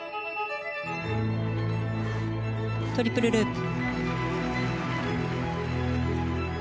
トリプルループ。